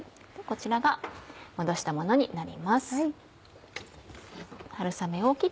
こちらがもどしたものになります。